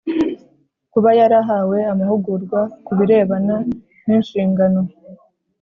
kuba yarahawe amahugurwa ku birebana n’inshingano